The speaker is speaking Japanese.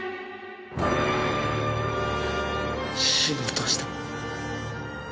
死のうとした。